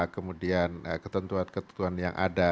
kemudian ketentuan ketentuan yang ada